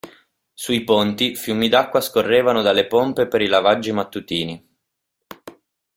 Sui ponti, fiumi d'acqua scorrevano dalle pompe per i lavaggi mattutini.